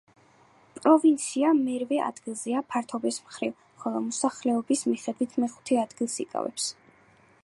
პროვინცია მერვე ადგილზეა ფართობის მხრივ, ხოლო მოსახლეობის მიხედვით მეხუთე ადგილს იკავებს.